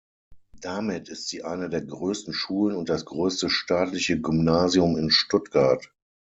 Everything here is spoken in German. Damit ist sie eine der größten Schulen und das größte staatliche Gymnasium in Stuttgart.